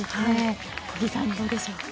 小木さんどうでしょうか。